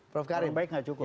prof karim baik gak cukup